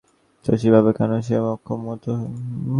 শশী ভাবে, কেন সে এমন অক্ষম, এত অসহায়?